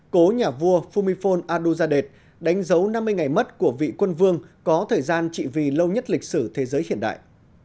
cố nhà vua fumifon aduzadeh đánh dấu năm mươi ngày mất của vị quân vương có thời gian trị vì lâu nhất lịch sử thế giới hiện đại